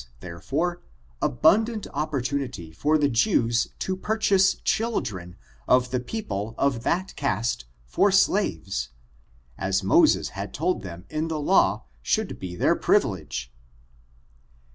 iM therefore, abundant opportunity for the Jews to pur chase children of the people of that cast for slaves, as Moses had told them in the law should be their privilege.